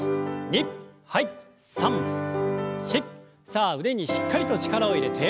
さあ腕にしっかりと力を入れて。